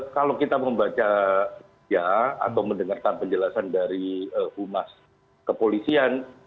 kalau kita membaca atau mendengarkan penjelasan dari humas kepolisian